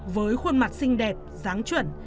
với khuôn mặt xinh đẹp ráng chuẩn